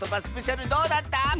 スペシャルどうだった？